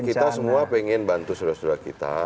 kita semua pengen bantu saudara saudara kita